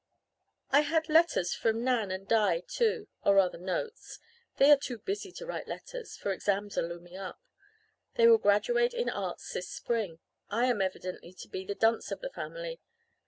"I had letters from Nan and Di too or rather notes. They are too busy to write letters, for exams are looming up. They will graduate in Arts this spring. I am evidently to be the dunce of the family.